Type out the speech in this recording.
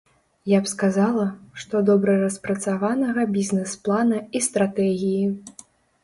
Я б сказала, што добра распрацаванага бізнэс-плана і стратэгіі.